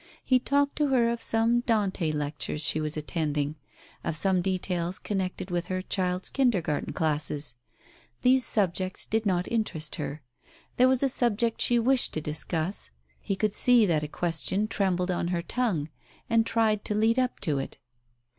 He talked to her of some Dante lectures she was attending ; of some details connected with her child's Kindergarten classes. These subjects did not interest her. There was a sub ject she wished to discuss, he could see that a question trembled on her tongue, and tried to lead up to it.